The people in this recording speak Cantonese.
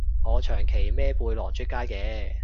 我長期孭背囊出街嘅